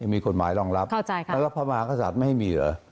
มีกฎหมายรองรับเข้าใจค่ะแล้วพระมหากษัตริย์ไม่ให้มีเหรอ